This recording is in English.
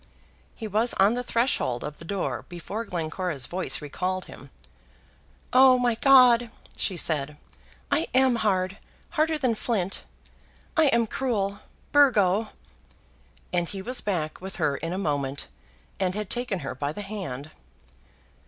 He was on the threshold of the door before Glencora's voice recalled him. "Oh my God!" she said, "I am hard, harder than flint. I am cruel. Burgo!" And he was back with her in a moment, and had taken her by the hand.